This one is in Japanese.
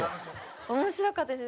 面白かったです。